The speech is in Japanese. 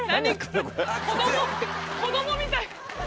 子供子供みたい。